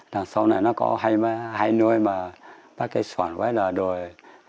đằng sau này nó có hai nơi mà bác cái sỏn với là đội